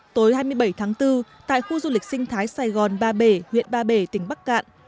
tối hai mươi bảy tháng bốn tại khu du lịch sinh thái sài gòn ba bể huyện ba bể tỉnh bắc cạn